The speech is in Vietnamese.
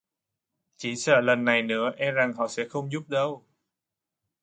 chỉ sợ lần này nữa e rằng họ sẽ không giúp đâu